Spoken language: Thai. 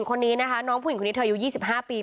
คนนี้นะคะน้องผู้หญิงคนนี้เธออายุ๒๕ปี